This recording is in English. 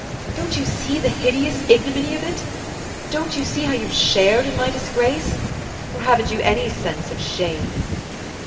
Don't you see the hideous ignominy of it? Don't you see how you've shared in my disgrace? Or haven't you any sense of shame?"